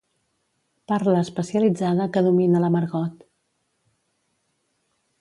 Parla especialitzada que domina la Margot.